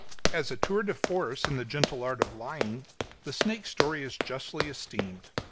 ] As a tour de force in the gentle art of lying, the snake story is justly esteemed.